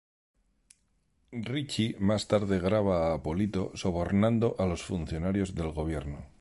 Richie más tarde graba a Polito sobornando a los funcionarios del gobierno.